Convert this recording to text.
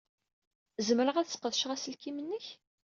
Zemreɣ ad sqedceɣ aselkim-nnek?